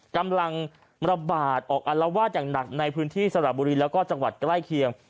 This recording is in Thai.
กำลังระบาดออกอารวาสอย่างหนักในพื้นที่สระบุรีแล้วก็จังหวัดใกล้เคียง